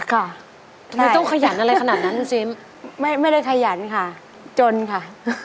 ทำไมต้องขยันอะไรขนาดนั้นคุณซิมไม่ได้ขยันค่ะจนค่ะ